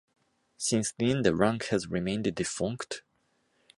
Since then, the rank has remained defunct.